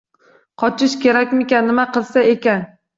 Qochish kerakmikan? Nima qilsa ekan?